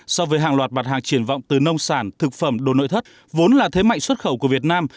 so với hàng loạt mặt hàng triển vọng từ nông sản thực phẩm đồ nội thất vốn là thế mạnh xuất khẩu của việt nam